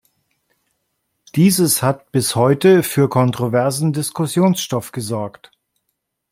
Dieses hat bis heute für kontroversen Diskussionsstoff gesorgt.